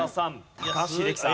高橋英樹さん。